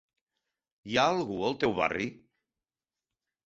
Hi ha algú al teu barri?